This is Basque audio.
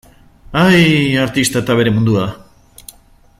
Ai, artista eta bere mundua.